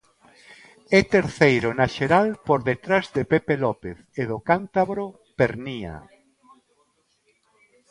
É terceiro na xeral por detrás de Pepe López e do cántabro Pernía.